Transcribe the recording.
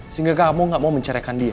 sehingga kamu gak mau menceraikan dia